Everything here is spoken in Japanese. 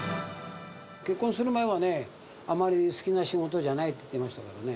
結婚する前はね、あまり好きな仕事じゃないって言ってましたけどね。